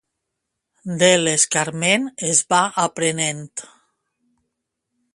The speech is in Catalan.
De l'escarment es va aprenent.